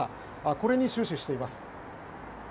これに終始しています。